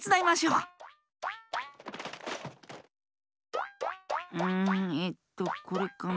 うんえっとこれかな？